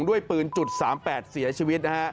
ด้วยปืน๓๘เสียชีวิตนะฮะ